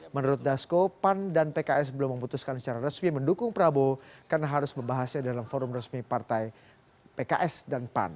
menurut dasko pan dan pks belum memutuskan secara resmi mendukung prabowo karena harus membahasnya dalam forum resmi partai pks dan pan